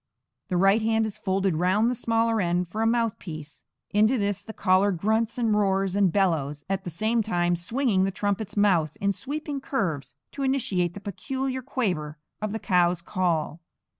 The right hand is folded round the smaller end for a mouthpiece; into this the caller grunts and roars and bellows, at the same time swinging the trumpet's mouth in sweeping curves to imitate the peculiar quaver of the cow's call.